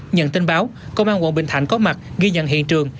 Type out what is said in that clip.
nhận tin báo công an quận bình thạnh có mặt ghi nhận hiện trường